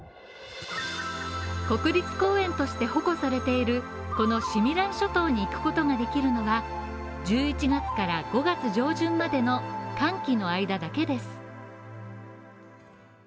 国立公園として保護されているこのシミラン諸島に行くことができるのは１１月から５月上旬までの乾期の間だけです。